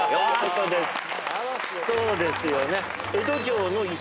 そうですよね。